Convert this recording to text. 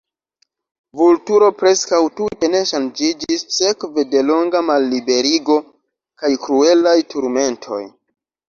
Vulturo preskaŭ tute ne ŝanĝiĝis sekve de longa malliberigo kaj kruelaj turmentoj.